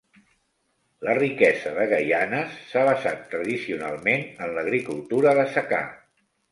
La riquesa de Gaianes s'ha basat tradicionalment en l'agricultura de secà.